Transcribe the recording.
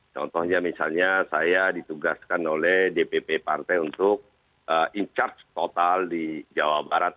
contohnya misalnya saya ditugaskan oleh dpp partai untuk in charge total di jawa barat